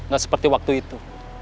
gak seperti waktu itu